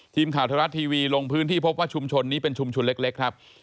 ทีมข่าวไทยรัฐทีวีลงพื้นที่พบว่าชุมชนนี้เป็นชุมชนเล็กครับ